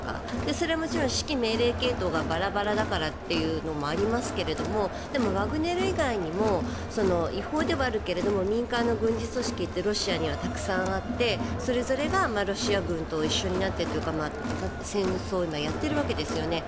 それはもちろん指揮命令系統がバラバラだからっていうのもありますがでもワグネル以外にも違法ではあるけれども民間の軍事組織ってロシアにはたくさんあってそれぞれがロシア軍と一緒になってというか戦争を今、やっているわけですよね。